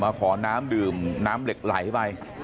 ขอน้ำดื่มน้ำเหล็กไหลไป